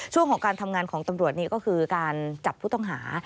ช่วงของการทำงานของตำรวจนี่ก็คือการจับผู้ต้องหา